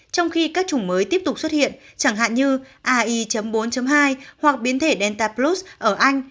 trong khi các chủng mới tiếp tục xuất hiện chẳng hạn như ai bốn hai hoặc biến thể delta blue ở anh